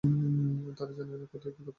তারা জানে কোথায় কি করতে হবে।